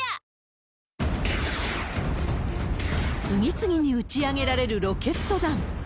次々に打ち上げられるロケット弾。